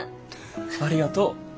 ありがとう！